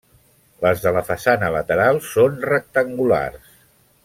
Les de la façana lateral són rectangulars.